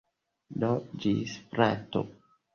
Do, ĝis frato!